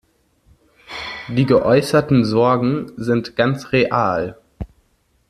Die geäußerten Sorgen sind ganz real.